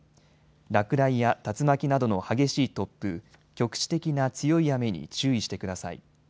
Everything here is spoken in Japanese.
落雷や竜巻などの激しい突風、局地的な強い雨に注意してください。